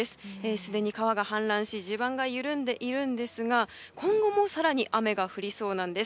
すでに川が氾濫し地盤が緩んでいるんですが今後も更に雨が降りそうなんです。